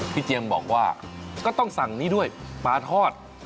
เจียมบอกว่าก็ต้องสั่งนี้ด้วยปลาทอด